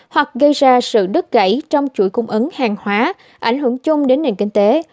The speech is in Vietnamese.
hoặc gây ra sự đứt gãy trong chuỗi cung ứng hàng hóa ảnh hưởng chung đến nền kinh tế